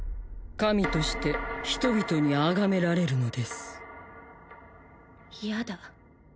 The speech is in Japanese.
神として人々にあがめられるのですやだ